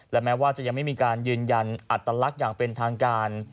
และแม้ว่าจะยังไม่มีการยืนยันอัตลักษณ์อย่างเป็นทางการ